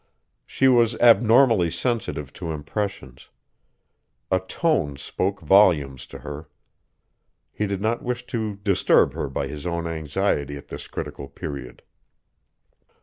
She was abnormally sensitive to impressions. A tone spoke volumes to her. He did not wish to disturb her by his own anxiety at this critical period.